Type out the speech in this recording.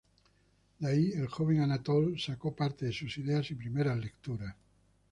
De ahí, el joven Anatole sacó parte de sus ideas y primeras lecturas.